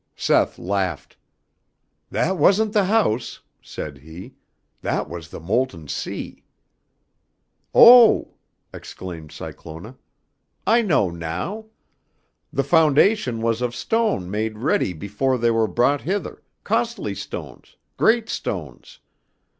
Seth laughed. "That wasn't the house," said he. "That was the molten sea." "Oh!" exclaimed Cyclona. "I know now. The foundation was of stone made ready before they were brought hither, costly stones, great stones.